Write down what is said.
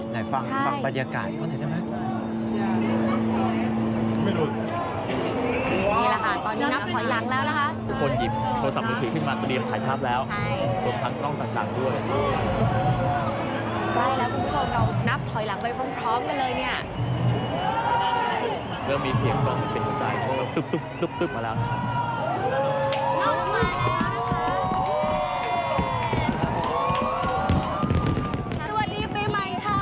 นี่ละฮะตอนนี้นับถอยหลังแล้วนะฮะ